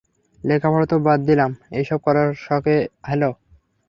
লেখাপড়া তো বাদ দিলাম এইসব করার শখে হ্যাঁলো।